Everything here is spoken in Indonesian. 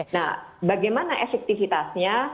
nah bagaimana efektifitasnya